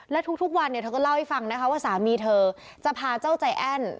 และทุกวันเนี่ยเธอก็เล่าให้ฟังนะคะว่าสามีเธอจะพาเจ้าใจแอ้น